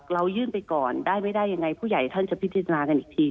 เรายื่นไปก่อนได้ไม่ได้ยังไงผู้ใหญ่ท่านจะพิจารณากันอีกที